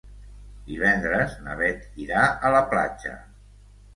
Divendres na Beth irà a la platja.